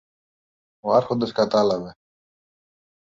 Ο Άρχοντας κατάλαβε.